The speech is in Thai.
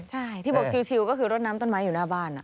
ใช่ที่บอกชิลก็คือรถน้ำต้นไม้อยู่หน้าบ้าน